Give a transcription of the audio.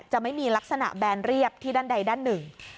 จะไม่มีลักษณะแบนเรียบที่ด้านใดด้านหนึ่ง